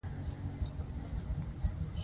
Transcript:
کیفیت له قیمته مهم دی.